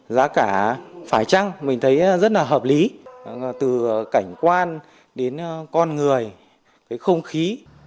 giá cả phải trăng mình thấy rất là hợp lý từ cảnh quan đến con người cái không khí